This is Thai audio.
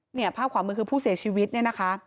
เนี่ยภาพขวามือคือผู้เสียชีวิตเนี่ยนะคะ